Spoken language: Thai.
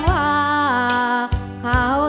จูบลูกหลายเท่าโยม